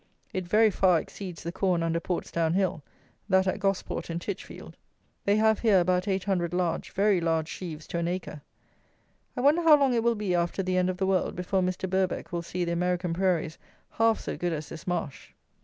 It very far exceeds the corn under Portsdown Hill, that at Gosport and Tichfield. They have here about eight hundred large, very large, sheaves to an acre. I wonder how long it will be after the end of the world before Mr. Birbeck will see the American "Prairies" half so good as this Marsh.